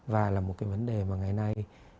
và là một cái vấn đề mà ngày nay